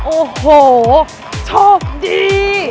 โอ้โหโชคดี